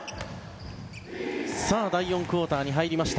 さあ、第４クオーターに入りました。